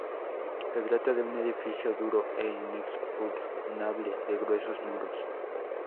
Se trata de un edificio duro e inexpugnable, de gruesos muros.